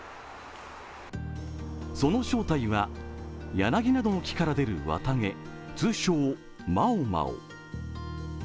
その正体は柳などの木から出る綿毛、通称毛毛。